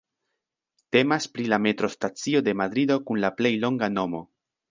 Temas pri la metrostacio de Madrido kun la plej longa nomo.